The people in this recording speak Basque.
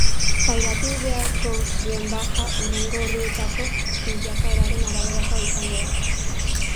Pairatu beharko duen baja hurrengo orduetako bilakaeraren araberakoa izango da.